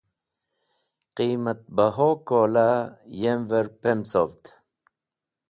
Qiymat baho kola yember pumcovd.